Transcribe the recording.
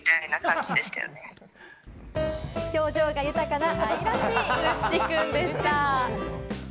表情が豊かな愛らしいルッチくんでした。